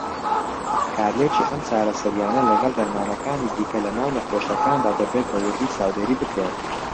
کارلێکی ئەم چارەسەریانە لەگەڵ دەرمانەکانی دیکه لەناو نەخۆشەکاندا دەبێت بە وردی چاودێری بکرێن.